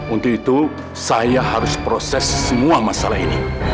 untuk itu saya harus proses semua masalah ini